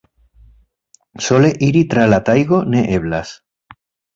Sole iri tra la tajgo ne eblas!